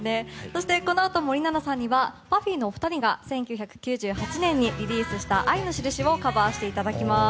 そして、このあと森七菜さんにはＰＵＦＦＹのお二人が１９９８年に披露した「愛のしるし」をカバーしていただきます。